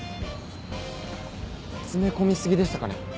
詰め込み過ぎでしたかね。